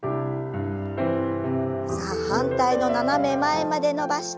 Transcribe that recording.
さあ反対の斜め前まで伸ばして戻します。